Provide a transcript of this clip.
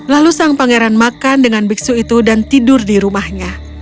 lalu sang pangeran makan dengan biksu itu dan tidur di rumahnya